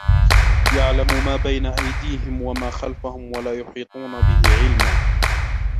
يَعْلَمُ مَا بَيْنَ أَيْدِيهِمْ وَمَا خَلْفَهُمْ وَلَا يُحِيطُونَ بِهِ عِلْمًا